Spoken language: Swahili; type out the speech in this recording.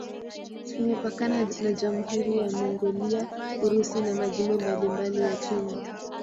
Imepakana na Jamhuri ya Mongolia, Urusi na majimbo mbalimbali ya China.